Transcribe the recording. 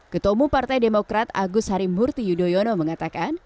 ketua umum partai demokrat agus harimurti yudhoyono mengatakan